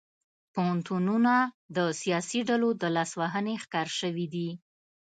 پوهنتونونه د سیاسي ډلو د لاسوهنې ښکار شوي دي